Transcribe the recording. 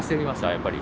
やっぱり。